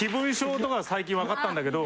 最近わかったんだけど。